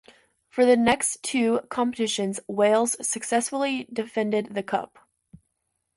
For the next two competitions Wales successfully defended the cup.